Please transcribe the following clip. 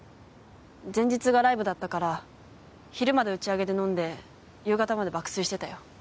前日がライブだったから昼まで打ち上げで飲んで夕方まで爆睡してたよ。